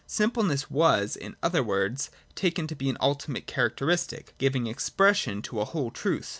Simpleness was, in other words, taken to be an ultimate characteristic, giving expression to a whole truth.